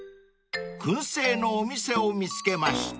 ［燻製のお店を見つけました］